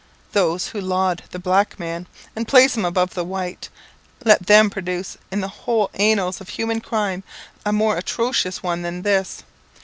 Those who laud the black man, and place him above the white, let them produce in the whole annals of human crime a more atrocious one than this!